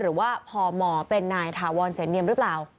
หรือว่าพมเป็นนายถาวรเสนเนียมหรือเปล่า